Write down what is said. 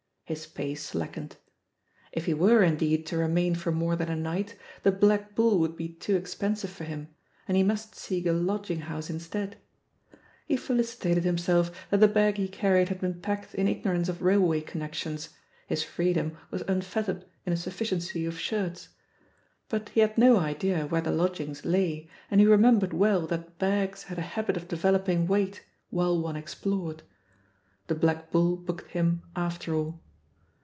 His pace slackened. If he were, indeed, to remain for more than a night, the Black BuU would be too expensive for him, and he must seek a lodging house instead. He felicitated himself that the bag he carried had been packed in ig* norance of railway connections — ^his freedom was unfettered, in a sufficiency of shirts. But he had no idea where the lodgings lay, and he remem bered well that bags had a habit of developing weight while one explored. The Black Bull booked him after all.